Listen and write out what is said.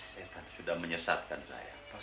setan sudah menyesatkan saya pak